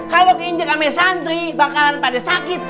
kalo diinjek sama santri bakalan pada sakit